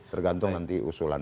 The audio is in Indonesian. tergantung nanti usulan